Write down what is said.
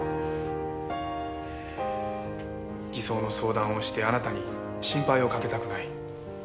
偽装の相談をしてあなたに心配をかけたくない。